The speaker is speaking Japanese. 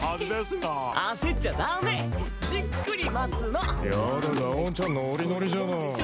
ガオーンちゃんノリノリじゃない！